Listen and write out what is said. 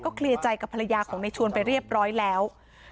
เคลียร์ใจกับภรรยาของในชวนไปเรียบร้อยแล้ว